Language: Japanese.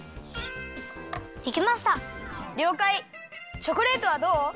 チョコレートはどう？